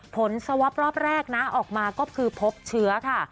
สวอปรอบแรกนะออกมาก็คือพบเชื้อค่ะ